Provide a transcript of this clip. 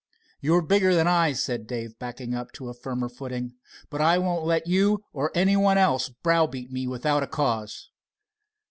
"You're bigger than I," said Dave, backing to a firmer footing, "but I won't let you or anybody else browbeat me without cause."